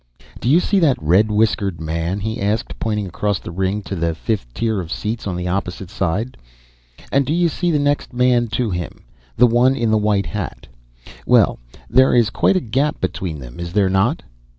"Do you see that red whiskered man?" he asked, pointing across the ring to the fifth tier of seats on the opposite side. "And do you see the next man to him, the one in the white hat? Well, there is quite a gap between them, is there not?"